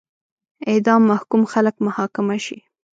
اعدام محکوم خلک محاکمه شي.